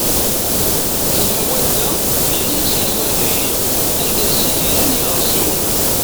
Tama wadda, din i yettili uddaynin anda ttidiren yiɣersiwen.